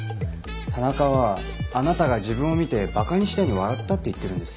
田中はあなたが自分を見て馬鹿にしたように笑ったって言ってるんです。